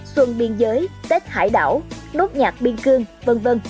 xuân biên giới tết hải đảo nốt nhạc biên cương v v